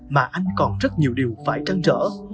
mà anh còn rất nhiều điều phải trăng trở